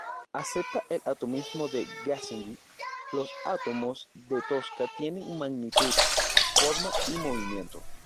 Acepta el atomismo de Gassendi: los átomos de Tosca tienen magnitud, forma y movimiento.